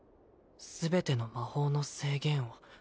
「全ての魔法の制限を」